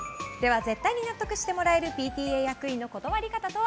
絶対に納得してもらえるＰＴＡ役員の断り方とは？